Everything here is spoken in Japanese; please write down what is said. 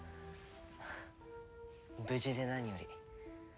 無事で何より。